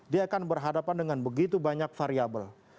dia akan berhadapan dengan begitu banyak variable